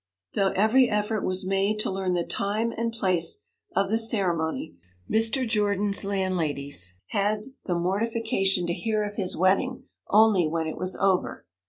Though every effort was made to learn the time and place of the ceremony, Mr. Jordan's landladies had the mortification to hear of his wedding only when it was over.